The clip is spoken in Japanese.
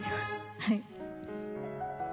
はい。